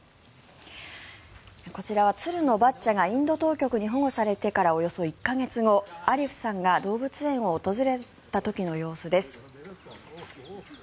こちらは鶴のバッチャがインド当局に保護されてからおよそ１か月後、アリフさんが動物園を訪れた時の様子です。